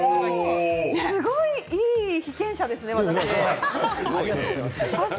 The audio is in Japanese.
すごいいい被験者ですね私。